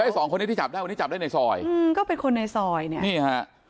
สองคนนี้ที่จับได้วันนี้จับได้ในซอยอืมก็เป็นคนในซอยเนี่ยนี่ฮะ